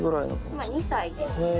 今、２歳です。